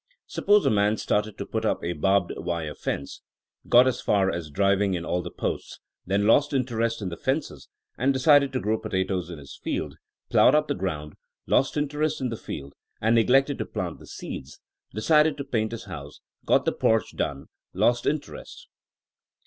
Suppose a man started to put up a barbed wire fence, got as far as driv ing in all the posts, then lost interest in the fences and decided to grow potatoes in his field, plowed up the ground, lost interest in the field and neglected to plant the seeds; decided to paint his house, got the porch done, lost in terest